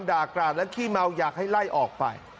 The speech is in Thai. กราดและขี้เมาอยากให้ไล่ออกไป